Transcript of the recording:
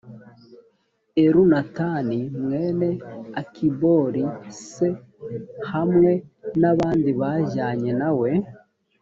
elunatani mwene akibori c hamwe n abandi bajyanye na we